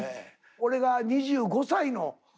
俺が２５歳の。